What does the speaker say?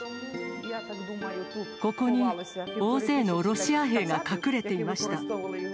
ここに大勢のロシア兵が隠れていました。